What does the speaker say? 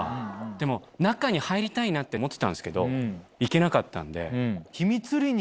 でも中に入りたいなって思ってたんですけど行けなかったんで。